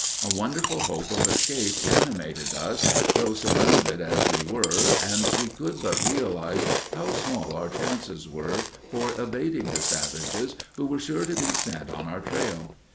A wonderful hope of escape animated us though surrounded as we were, and we could but realize how small our chances were for evading the savages who were sure to be sent on our trail.